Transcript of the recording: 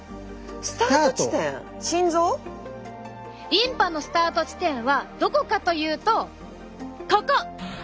リンパのスタート地点はどこかというとここ！